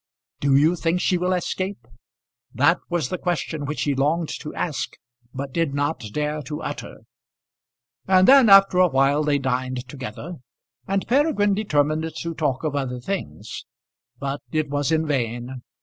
Do you think she will escape? That was the question which he longed to ask but did not dare to utter. And then, after a while, they dined together. And Peregrine determined to talk of other things; but it was in vain.